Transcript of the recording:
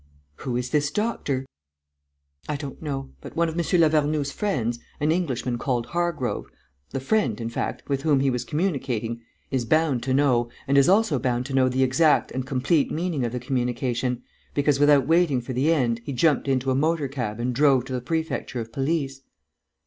"Who is this doctor?" "I don't know. But one of M. Lavernoux's friends, an Englishman called Hargrove, the friend, in fact, with whom he was communicating, is bound to know and is also bound to know the exact and complete meaning of the communication, because, without waiting for the end, he jumped into a motor cab and drove to the Prefecture of Police."